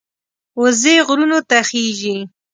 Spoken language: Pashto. وزې غرونو ته خېژي